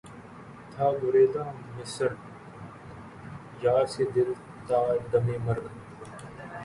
تھا گریزاں مژہٴ یار سے دل تا دمِ مرگ